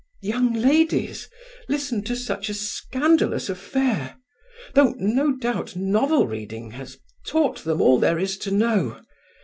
young ladies listen to such a scandalous affair, though no doubt novel reading has taught them all there is to know.